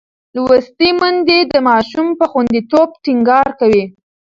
لوستې میندې د ماشوم پر خوندیتوب ټینګار کوي.